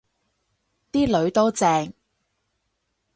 啲囡都正